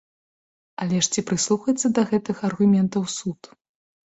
Але ж ці прыслухаецца да гэтых аргументаў суд?